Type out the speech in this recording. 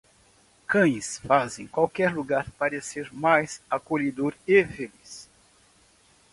Cães fazem qualquer lugar parecer mais acolhedor e feliz.